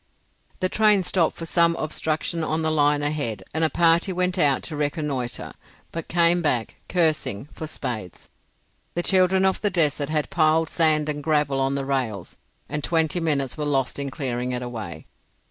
The train stopped for some obstruction on the line ahead and a party went out to reconnoitre, but came back, cursing, for spades. The children of the desert had piled sand and gravel on the rails, and twenty minutes were lost in clearing it away.